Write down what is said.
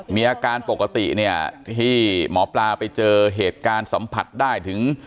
มีอาการปกติเนี่ยที่หมอปลาไปเจอเหตุการณ์สัมผัสได้ถึง